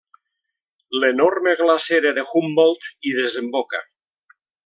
L'enorme glacera de Humboldt hi desemboca.